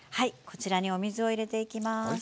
こちらに水を入れていきます。